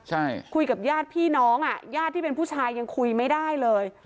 ใช่คุยกับญาติพี่น้องอ่ะญาติที่เป็นผู้ชายยังคุยไม่ได้เลย